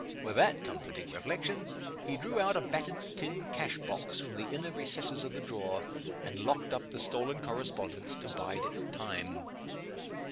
With that comforting reflection, he drew out a battered tin cash box from the inner recesses of the drawer, and locked up the stolen correspondence to bide its time.